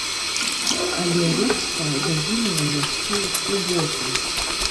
Але ручка загінула яшчэ ў суботу.